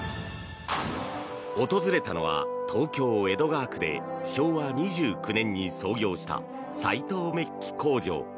訪れたのは、東京・江戸川区で昭和２９年に創業した斎藤鍍金工場。